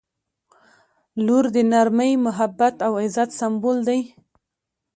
• لور د نرمۍ، محبت او عزت سمبول دی.